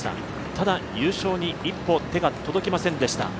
ただ優勝に一歩、手が届きませんでした。